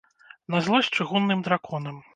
На злосць чыгунным драконам.